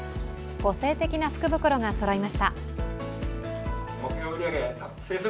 個性的な福袋がそろいました。